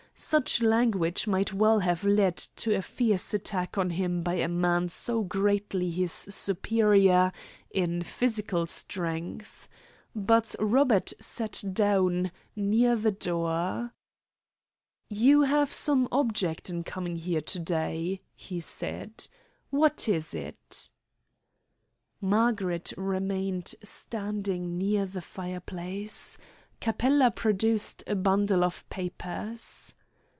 Such language might well have led to a fierce attack on him by a man so greatly his superior in physical strength. But Robert sat down, near the door. "You have some object in coming here to day," he said. "What is it?" Margaret remained standing near the fire place. Capella produced a bundle of papers.